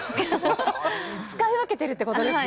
使い分けてるってことですね。